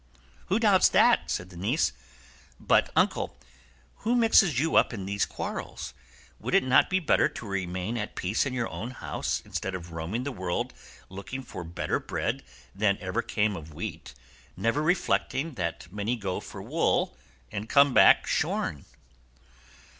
"Who doubts that?" said the niece; "but, uncle, who mixes you up in these quarrels? Would it not be better to remain at peace in your own house instead of roaming the world looking for better bread than ever came of wheat, never reflecting that many go for wool and come back shorn?"